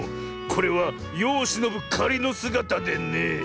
これはよをしのぶかりのすがたでね。